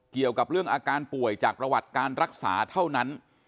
เกี่ยวกับเรื่องอาการป่วยจากประวัติการรักษาเท่านั้น